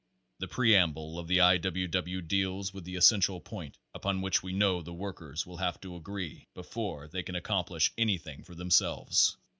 The Preamble of the I. W. W. deals with the es sential point upon which we know the workers will have to agree before they can accomplish anything for themselves.